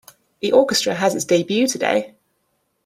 The orchestra has its debut today.